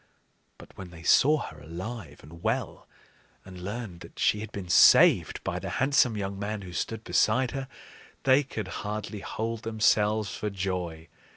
But when they saw her alive and well, and learned that she had been saved by the handsome young man who stood beside her, they could hardly hold themselves for joy.